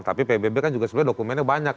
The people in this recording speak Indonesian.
tapi pbb kan juga sebenarnya dokumennya banyak